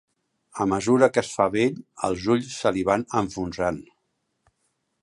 A mesura que es fa vell, els ulls se li van enfonsant.